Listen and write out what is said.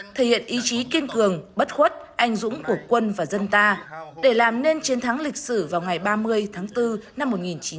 thể hiện ý chí kiên cường bất khuất anh dũng của quân và dân ta để làm nên chiến thắng lịch sử vào ngày ba mươi tháng bốn năm một nghìn chín trăm bảy mươi năm